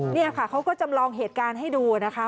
นี่ค่ะเขาก็จำลองเหตุการณ์ให้ดูนะคะ